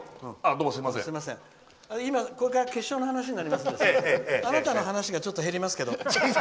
今、これから決勝の話になりますのであなたの話がちょっと減りますけど。